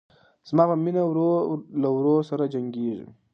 زما په مینه ورور له ورور سره جنګیږي